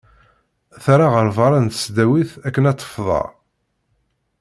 Terra ɣer berra n tesdawit akken ad tefḍer.